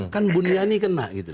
kan bunyani kena gitu